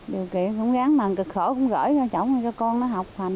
điều kiện cũng ráng mần cực khổ cũng gửi cho chọn cho con nó học thành